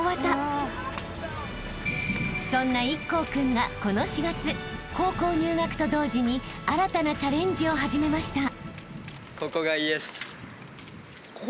［そんな壱孔君がこの４月高校入学と同時に新たなチャレンジを始めました］